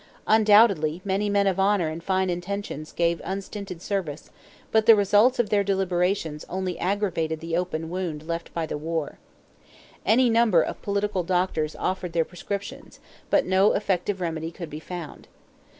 Undoubtedly many men of honor and fine intentions gave unstinted service, but the results of their deliberations only aggravated the open wound left by the war. Any number of political doctors offered their prescriptions; but no effective remedy could be found.